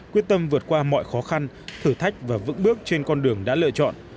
quyết tâm vượt qua mọi khó khăn thử thách và vững bước trên con đường đã lựa chọn